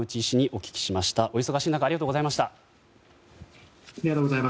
お忙しい中ありがとうございました。